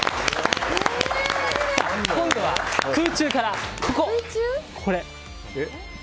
今度は空中から、ここ！